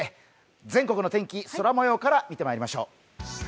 全国の天気、空もようから見てまいりましょう。